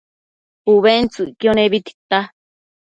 ubentsëcquio nebi tita